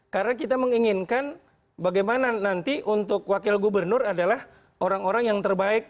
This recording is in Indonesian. karena kita menginginkan bagaimana nanti untuk wakil gubernur adalah orang orang yang terbaik